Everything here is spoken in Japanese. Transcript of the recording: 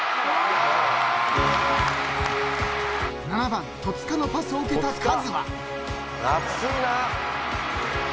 ［７番戸塚のパスを受けたカズは］